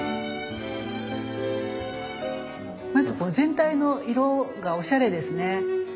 まず全体の色がおしゃれですね。